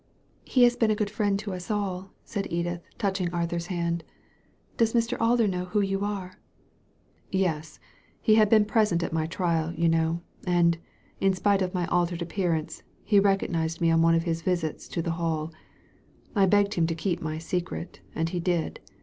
" He has been a good friend to us all," said Edith, touching Arthur's hand. "Does Mr. Alder know who you are ?" "Yes. He had been present at my trial, you know, and, in spite of my altered appearance, he recognized me on one of his visits to the HalL I begged him to keep my secret, and he did.